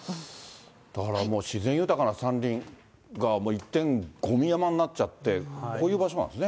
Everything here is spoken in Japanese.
だからもう自然豊かな山林が一転、ごみ山になっちゃって、こういう場所なんですね。